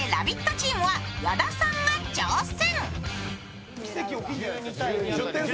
チームは矢田さんが挑戦。